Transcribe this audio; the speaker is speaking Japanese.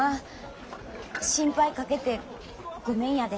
心配かけてごめんやで。